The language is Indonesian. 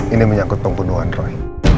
ini menyangkut pembunuhan roy